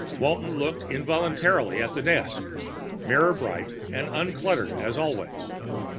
Walton looked involuntarily at the desk, mirror bright and uncluttered as always.